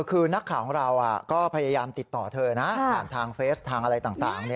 คือนักข่าวของเราก็พยายามติดต่อเธอนะผ่านทางเฟสทางอะไรต่าง